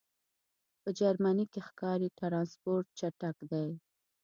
په جرمنی کی ښکاری ټرانسپورټ چټک دی